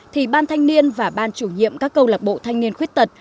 thì ban thanh niên và ban chủ nhiệm các công lộc bộ thanh niên khuyết tật